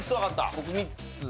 僕３つ。